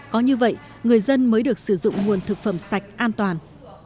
có như vậy người dân mới được sử dụng nguồn thực phẩm sạch an toàn